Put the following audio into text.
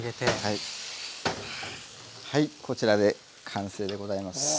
はいこちらで完成でございます。